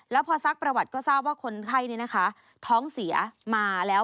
แล้วพอซักประวัติก็ทราบว่าคนไข้ท้องเสียมาแล้ว